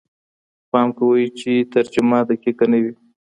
خو پام کوئ چې ترجمه دقیقه نه وي.